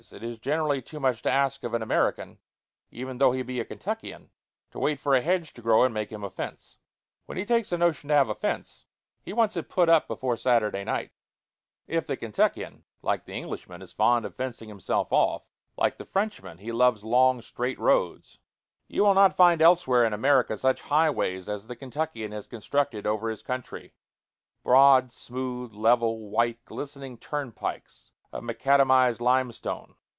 It is generally too much to ask of an American, even though he be a Kentuckian, to wait for a hedge to grow and make him a fence. When he takes a notion to have a fence, he wants it put up before Saturday night. [Illustration: TOBACCO PATCH.] If the Kentuckian, like the Englishman, is fond of fencing himself off, like the Frenchman, he loves long, straight roads. You will not find elsewhere in America such highways as the Kentuckian has constructed over his country broad, smooth, level, white, glistening turnpikes of macadamized limestone.